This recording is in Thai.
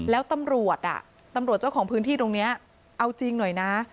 แล้วตำรวจเจ้าของพื้นที่ตรงนี้เอาจริงหน่อยนะ